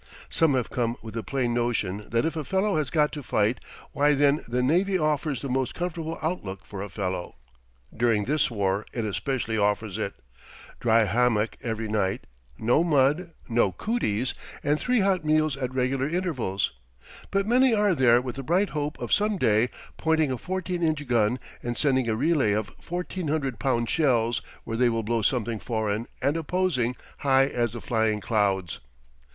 Some have come with the plain notion that if a fellow has got to fight, why then the navy offers the most comfortable outlook for a fellow during this war it especially offers it dry hammock every night, no mud, no cooties, and three hot meals at regular intervals but many are there with the bright hope of some day pointing a 14 inch gun and sending a relay of 1,400 pound shells where they will blow something foreign and opposing high as the flying clouds.